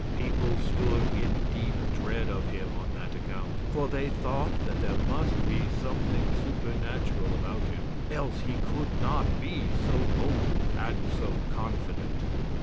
People stood in deep dread of him on that account; for they thought that there must be something supernatural about him, else he could not be so bold and so confident.